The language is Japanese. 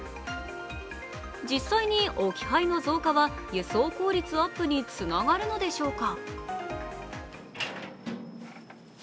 実際に、置き配の増加は輸送効率アップにつながるのでしょうか。